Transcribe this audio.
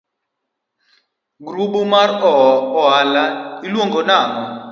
Grubu mar oala iluongo nang'o?